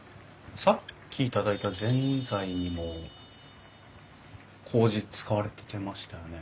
さっき頂いたぜんざいにもこうじ使われてましたよね？